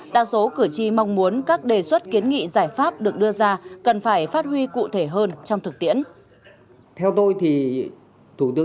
đa số cử tri mong muốn các đề xuất kiến nghị giải pháp được đưa ra cần phải phát huy cụ thể hơn trong thực tiễn